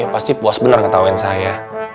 pasti puas bener ngetawain saya